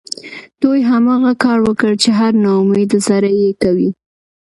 دوی هماغه کار وکړ چې هر ناامیده سړی یې کوي